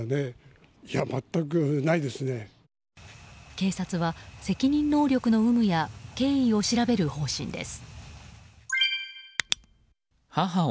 警察は責任能力の有無や経緯を調べる方針です。